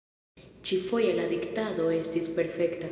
Ĉi-foje la diktado estis perfekta.